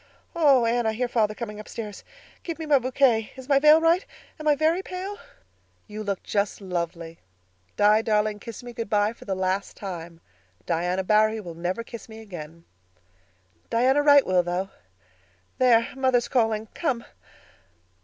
Oh, Anne, I hear father coming upstairs. Give me my bouquet. Is my veil right? Am I very pale?" "You look just lovely. Di, darling, kiss me good bye for the last time. Diana Barry will never kiss me again." "Diana Wright will, though. There, mother's calling. Come."